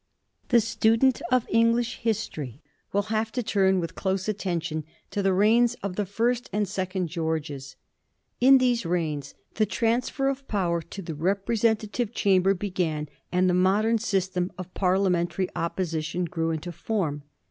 The student of English history will have to turn with close attention to the reigns of the First and Second Greorges. In those reigns the transfer of power to the representative chamber began, and the modem system of Parliamentary opposition grew into form.